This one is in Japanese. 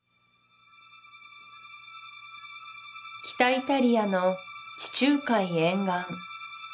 北イタリアの地中海沿岸